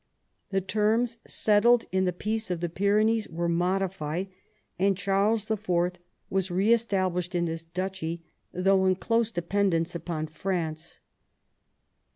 The terms settled in the Peace of the Pyrenees were modified, and Charles IV. was re established in his duchy, though in close de ' pendence upon France.